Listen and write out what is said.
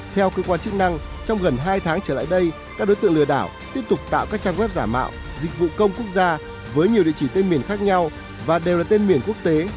theo cơ quan chức năng trong gần hai tháng trở lại đây các đối tượng lừa đảo tiếp tục tạo các trang web giả mạo dịch vụ công quốc gia với nhiều địa chỉ tên miền khác nhau và đều là tên miền quốc tế